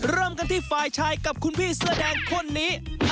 เริ่มกันที่ฝ่ายชายกับคุณพี่เสื้อแดงคนนี้